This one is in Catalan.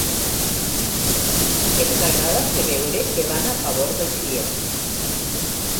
Els agrada fer veure que van a favor del client.